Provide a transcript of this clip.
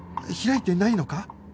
開いてないのか？